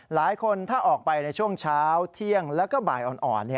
หลายคนถ้าออกไปในช่วงเช้าเที่ยงแล้วก็บ่ายอ่อน